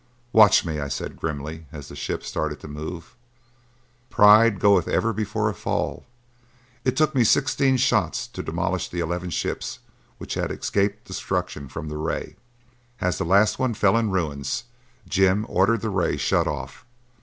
"Watch me," I said grimly as the ship started to move. Pride goeth ever before a fall: it took me sixteen shots to demolish the eleven ships which had escaped destruction from the ray. As the last one fell in ruins, Jim ordered the ray shut off.